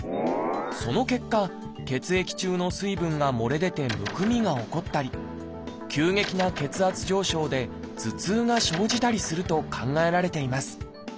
その結果血液中の水分が漏れ出てむくみが起こったり急激な血圧上昇で頭痛が生じたりすると考えられています。